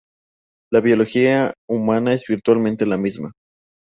La biología humana es virtualmente la misma.